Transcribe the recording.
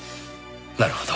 なるほど。